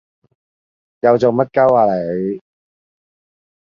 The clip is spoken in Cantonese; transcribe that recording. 又做乜鳩呀你？